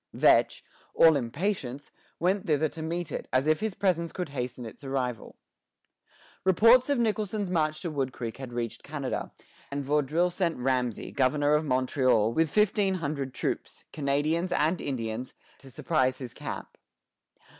Vetch, all impatience, went thither to meet it, as if his presence could hasten its arrival. Reports of Nicholson's march to Wood Creek had reached Canada, and Vaudreuil sent Ramesay, governor of Montreal, with fifteen hundred troops, Canadians, and Indians, to surprise his camp.